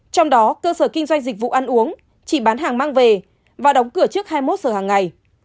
trong đó cơ sở kinh doanh dịch vụ ăn uống chỉ bán hàng mang về và đóng cửa trước hai mươi một giờ hàng ngày